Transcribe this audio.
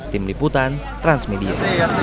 tim liputan transmedia